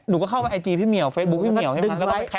หนูก็เข้าไปไอจีพี่เหมียวเฟสบุ๊คพี่เหมียวใช่ไหม